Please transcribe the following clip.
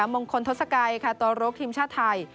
มงคลทศกัยค่ะโตโรคทีมชาติไทย